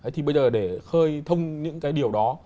thì bây giờ để khơi thông những cái điều đó